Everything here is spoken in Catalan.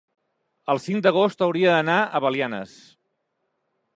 el cinc d'agost hauria d'anar a Belianes.